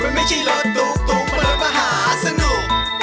มันไม่ใช่รถตุกตุกมันรถมหาสนุก